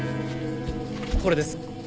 これです。